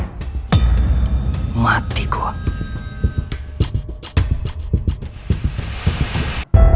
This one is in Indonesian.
kamu tahu itu adalah hukumannya